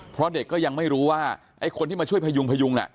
เพราะเด็กก็ยังไม่รู้ว่าไอ้คนที่มาช่วยพยุงพยุงน่ะ